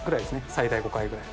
最大５回ぐらい。